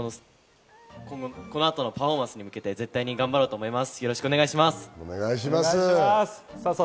この後のパフォーマンスに向けて絶対に頑張ろうと思います。